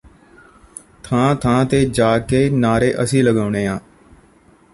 ਥਾਂ ਥਾਂ ਤੇ ਜਾ ਕੇ ਨਾਅਰੇ ਅਸੀਂ ਲਗਾਉਣੇ ਆ